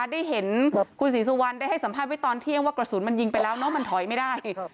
ได้เห็นคุณศรีสุวรรณได้ให้สัมภาษณ์ไว้ตอนเที่ยงว่ากระสุนมันยิงไปแล้วเนอะมันถอยไม่ได้